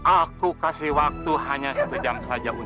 aku pasti akan menang